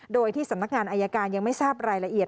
โดยที่สำนักงานอายการยังไม่ทราบรายละเอียด